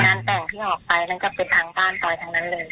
งานแต่งที่ออกไปนั่นก็เป็นทางบ้านซอยทั้งนั้นเลย